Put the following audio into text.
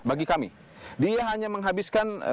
bagi kami dia hanya menghabiskan